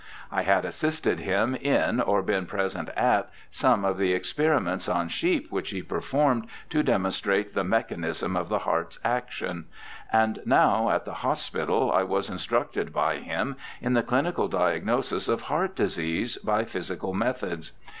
I had assisted him in or been present at some of the experi ments on sheep which he performed to demonstrate the mechanism of the heart's action, and now at the hospital I was instructed by him in the clinical diagnosis of heart disease by physical methods.